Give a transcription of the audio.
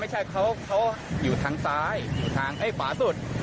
ไม่ใช่เขาอยู่ทางซ้ายอยู่ทางไอ้ขวาสุด